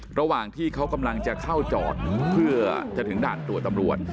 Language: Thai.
ระหว่างที่เขากำลังจะเข้าจอดเพื่อจะถึงด่านตรวจตำรวจ